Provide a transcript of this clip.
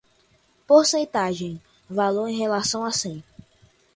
Porcentagem: Valor em relação a cem.